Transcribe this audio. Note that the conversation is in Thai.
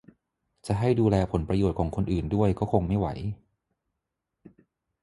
จะให้ดูแลผลประโยชน์ของคนอื่นด้วยก็คงไม่ไหว